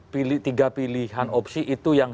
pilih tiga pilihan opsi itu yang